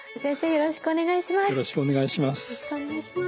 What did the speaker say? よろしくお願いします。